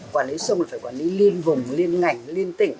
quản lý sông là phải quản lý liên vùng liên ngành liên tỉnh